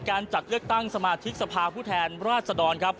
การจัดเลือกตั้งสมาธิสถาผู้แทนราชฎร